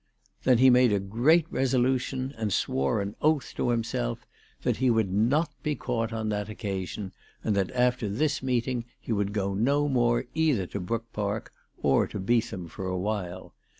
Then he made a great resolution and swore an oath to himself, that he would not be caught on that occa sion, and that after this meeting he would go no more either to Brook Park or to Beetham for awhile.